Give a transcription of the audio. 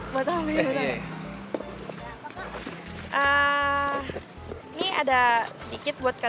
makasih ya kak